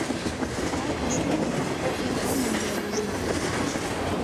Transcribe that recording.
Лай кастене Кок еҥ толмым ме ужна.